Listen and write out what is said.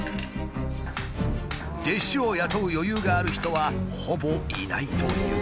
弟子を雇う余裕がある人はほぼいないという。